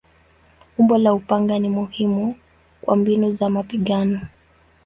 Umbo la upanga ni muhimu kwa mbinu za mapigano.